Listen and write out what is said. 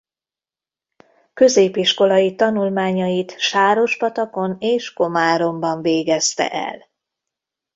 Középiskolai tanulmányait Sárospatakon és Komáromban végezte el.